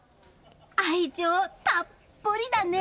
愛情たっぷりだね！